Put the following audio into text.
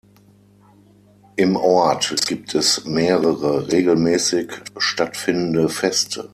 Im Ort gibt es mehrere regelmäßig stattfindende Feste.